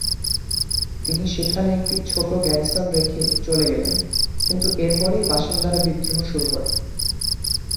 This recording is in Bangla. তিনি সেখানে একটি ছোট গ্যারিসন রেখে চলে গেলেন, কিন্তু এর পরেই বাসিন্দারা বিদ্রোহ শুরু করে।